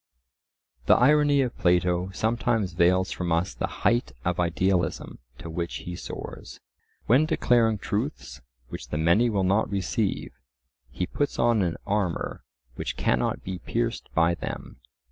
The irony of Plato sometimes veils from us the height of idealism to which he soars. When declaring truths which the many will not receive, he puts on an armour which cannot be pierced by them.